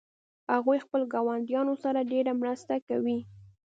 هغوی خپل ګاونډیانو سره ډیره مرسته کوي